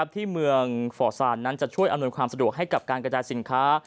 ที่เมืองฟอร์ซานนั้นจะช่วยอำนวยความสะดวกให้กับการกระจายสินค้า